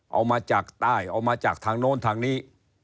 เอามาจากใต้เอามาจากทางโน้นทางนี้